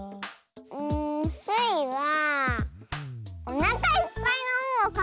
んスイはおなかいっぱいの「ん」をかく。